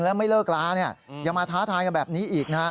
แล้วไม่เลิกล้าอย่ามาท้าทายกันแบบนี้อีก